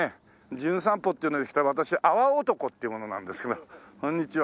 『じゅん散歩』っていうので来た私泡男っていう者なんですけどこんにちは。